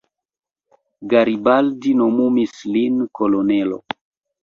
Garibaldi nomumis lin kolonelo.